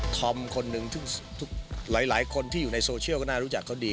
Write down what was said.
คนหนึ่งหลายคนที่อยู่ในโซเชียลก็น่ารู้จักเขาดี